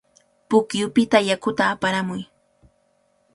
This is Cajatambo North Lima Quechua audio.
Pukyupita yakuta aparamuy.